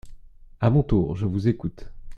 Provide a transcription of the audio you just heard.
À mon tour, je vous écoute.